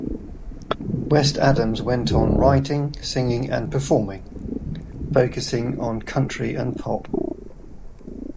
West Adams went on writing, singing and performing, focusing on country and pop.